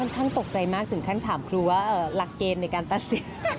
ค่อนข้างตกใจมากถึงขั้นถามครูว่าลักเกมในการตัดเสีย